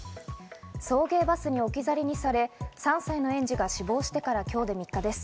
送迎バスに置き去りにされ、３歳の園児が死亡してから今日で３日です。